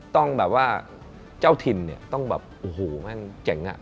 ต้องแบบว่าเจ้าถิ่นเนี่ยต้องแบบโอ้โหแม่งเจ๋งอ่ะ